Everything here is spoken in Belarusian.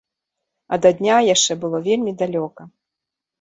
А да дня яшчэ было вельмі далёка.